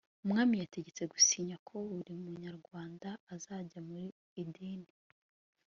umwami yategetswe gusinya ko buri munyarwanda azajya mu idini